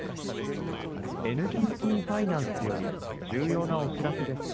ＮＴＴファイナンスより、重要なお知らせです。